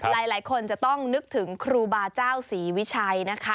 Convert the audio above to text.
หลายคนจะต้องนึกถึงครูบาเจ้าศรีวิชัยนะคะ